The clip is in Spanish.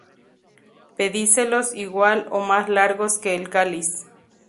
Pedicelos igual o más largos que el cáliz.